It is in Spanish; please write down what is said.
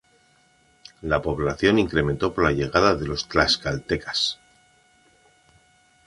La población incrementó por la llegada de los Tlaxcaltecas.